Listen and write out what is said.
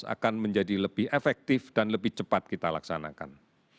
akan menjadi lebih efektif dan lebih cepat kita laksanakan